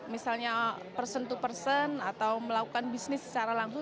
misalnya person to person atau melakukan bisnis secara langsung